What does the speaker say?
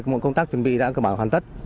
mọi công tác chuẩn bị đã cơ bản hoàn tất